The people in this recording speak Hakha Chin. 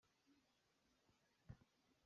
Innkaa na hrenh ah cun ka lut kho lai lo.